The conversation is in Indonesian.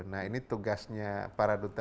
nah ini tugasnya para duta